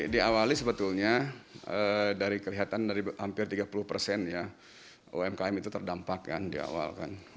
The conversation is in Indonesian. di awali sebetulnya dari kelihatan dari hampir tiga puluh persen ya umkm itu terdampak kan di awal kan